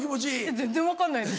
全然分かんないです。